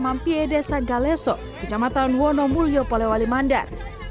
pertama piedesa galeso kecamatan wonomulyo polewali mandar